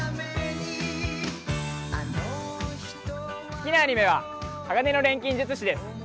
好きなアニメは「鋼の錬金術師」です。